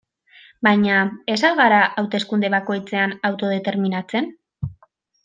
Baina ez al gara hauteskunde bakoitzean autodeterminatzen?